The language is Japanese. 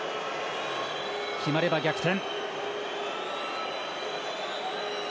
決まれば逆転。